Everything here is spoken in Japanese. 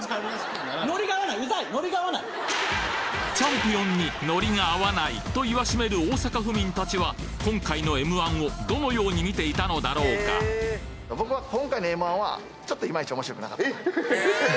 チャンピオンにノリが合わないと言わしめる大阪府民達は今回の『Ｍ−１』をどのように見ていたのだろうかえっ！